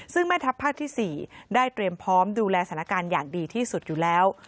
ซึ่งแม่ทัพภาคที่๔ได้เตรียมพร้อมดูแลสถานการณ์อย่างดีที่สุดอยู่แล้ว